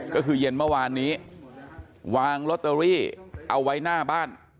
ก็คือเย็นเมื่อวานนี้วางลอตเตอรี่เอาไว้หน้าบ้าน